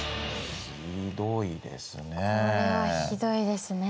ひどいですね。